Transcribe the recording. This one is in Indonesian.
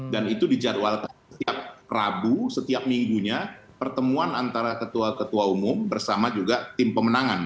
dan itu di jadwal setiap rabu setiap minggunya pertemuan antara ketua ketua umum bersama juga tim pemenangan